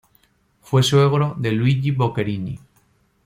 Fue suegro de Luigi Boccherini.